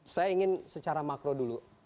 saya ingin secara makro dulu